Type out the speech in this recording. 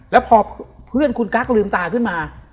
แล้วพอเพื่อนคุณกั๊กลืมตาขึ้นมา